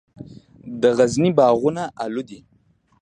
د غزني باغونه الو دي